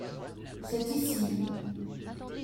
C’est ici.